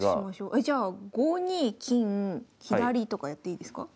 えじゃあ５二金左とかやっていいですか？